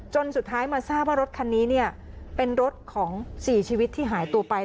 สุดท้ายมาทราบว่ารถคันนี้เป็นรถของ๔ชีวิตที่หายตัวไป